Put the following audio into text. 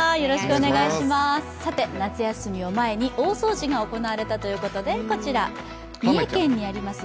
さて夏休みを前に大掃除が行われたということでこちら、三重県にあります